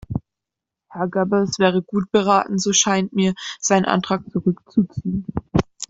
Herr Goebbels wäre gut beraten, so scheint mir, seinen Antrag zurückzuziehen.